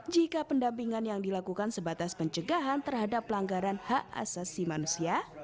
jika pendampingan yang dilakukan sebatas pencegahan terhadap pelanggaran hak asasi manusia